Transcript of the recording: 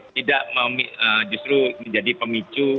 tidak justru menjadi pemicu